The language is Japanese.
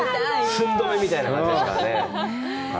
寸止めみたいな感じですかね。